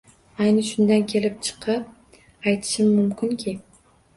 Ayni shundan kelib chiqib, aytishim mumkinki